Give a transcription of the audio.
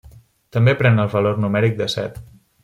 També pren el valor numèric de set.